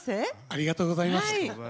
ありがとうございます。